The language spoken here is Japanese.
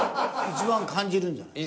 一番感じるんじゃない？